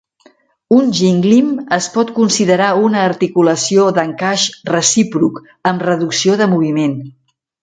Un gínglim es pot considerar una articulació d'encaix recíproc, amb reducció de moviment.